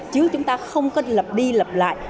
chứ chúng ta không có lập đi lập lại